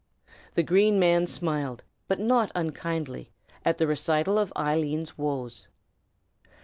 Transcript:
The Green Man smiled, but not unkindly, at the recital of Eileen's woes.